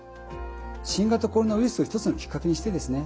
新型コロナウイルスを一つのきっかけにしてですね